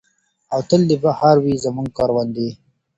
او تل دې بہار وي زموږ کروندې.